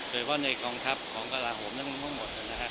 โดยเปล่าในคองคับของกราหมนั่นบ้างหมด